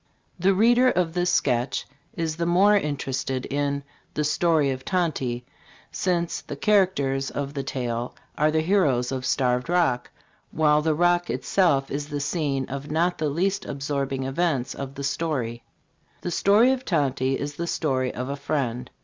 The reader of this sketch is the more interested in "The Story of Tonty," since the characters of the tale are the heroes of Starved Rock, while the Rock itself is the scene of not the least absorbing events of the story. "The Story of Tonty" is the story of a friend.